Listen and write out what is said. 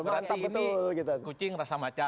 berarti ini kucing rasa macan